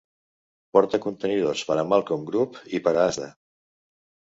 Porta contenidors per al Malcolm Group i per a Asda.